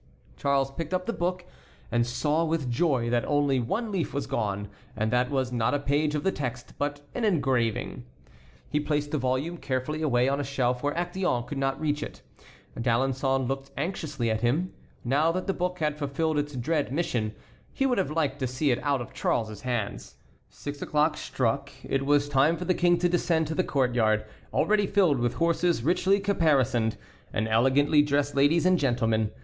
Charles picked up the book and saw with joy that only one leaf was gone, and that was not a page of the text, but an engraving. He placed the volume carefully away on a shelf where Actéon could not reach it. D'Alençon looked anxiously at him. Now that the book had fulfilled its dread mission he would have liked to see it out of Charles's hands. Six o'clock struck. It was time for the King to descend to the court yard, already filled with horses richly caparisoned, and elegantly dressed ladies and gentlemen.